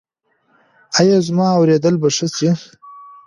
ایا زما اوریدل به ښه شي؟